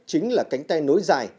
chính là cánh tay nối dài